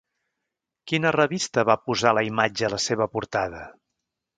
Quina revista va posar la imatge a la seva portada?